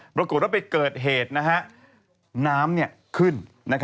ปรากฏว่าไปเกิดเหตุน้ำขึ้น